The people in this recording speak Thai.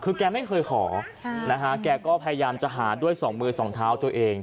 คือแกไม่เคยขอนะฮะแกก็พยายามจะหาด้วยสองมือสองเท้าตัวเอง